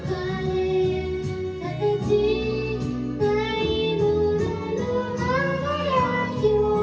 「形ないものの輝きを」